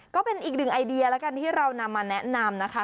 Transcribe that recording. ก็เป็นอีกหนึ่งไอเดียแล้วกันที่เรานำมาแนะนำนะคะ